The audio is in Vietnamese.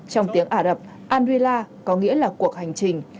trong tiếng ả rập alula có nghĩa là cuộc hành trình